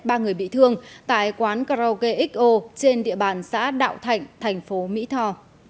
ba người bị thương tại quán karaoke xo trên địa bàn xã đạo thạnh thành phố mỹ tho